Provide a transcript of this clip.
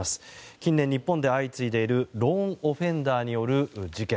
近年、日本で相次いでいるローン・オフェンダーによる事件